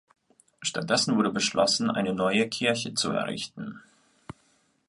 Stattdessen wurde beschlossen, eine neue Kirche zu errichten.